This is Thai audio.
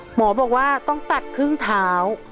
หมอบอกว่าต้องตัดครึ่งเท้า